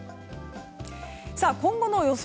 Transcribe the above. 今後の予想